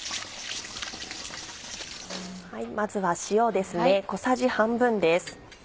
まずは塩ですね。